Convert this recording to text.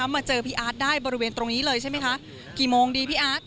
มาเจอพี่อาร์ตได้บริเวณตรงนี้เลยใช่ไหมคะกี่โมงดีพี่อาร์ต